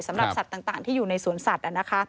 สำหรับสัตว์ต่างที่อยู่ในสวนสัตว์